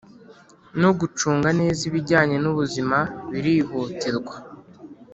no gucunga neza ibijyanye n'ubuzima birihutirwa.